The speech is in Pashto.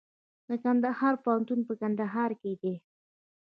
د کندهار پوهنتون په کندهار کې دی